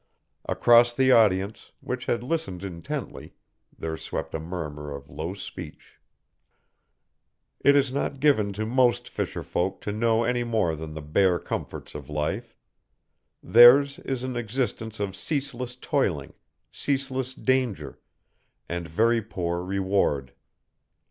Across the audience, which had listened intently, there swept a murmur of low speech. It is not given to most fisherfolk to know any more than the bare comforts of life. Theirs is an existence of ceaseless toiling, ceaseless danger, and very poor reward.